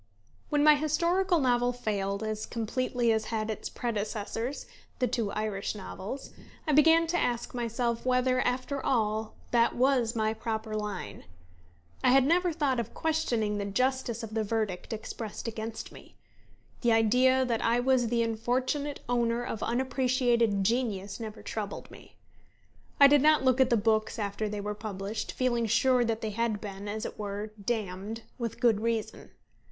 When my historical novel failed, as completely as had its predecessors, the two Irish novels, I began to ask myself whether, after all, that was my proper line. I had never thought of questioning the justice of the verdict expressed against me. The idea that I was the unfortunate owner of unappreciated genius never troubled me. I did not look at the books after they were published, feeling sure that they had been, as it were, damned with good reason.